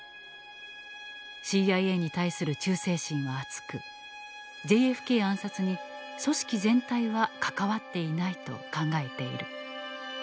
ＣＩＡに対する忠誠心は厚くＪＦＫ暗殺に「組織全体」は関わっていないと考えている。